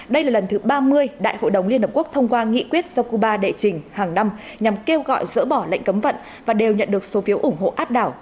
đây là lần thứ ba mươi đại hội đồng liên hợp quốc thông qua nghị quyết do cuba đệ trình hàng năm nhằm kêu gọi dỡ bỏ lệnh cấm vận và đều nhận được số phiếu ủng hộ áp đảo